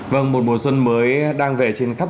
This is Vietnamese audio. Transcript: vâng một mùa xuân mới đang về trên khắp